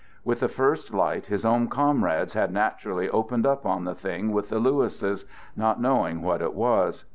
With the first light his own comrades had naturally opened up on the thing with the Lewises, not knowing what it was.